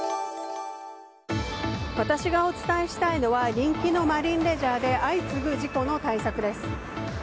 私がお伝えしたいのは人気のマリンレジャーで相次ぐ事故の対策です。